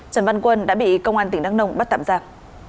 trần văn quân đã bị công an tỉnh đắk nông bắt tạm giam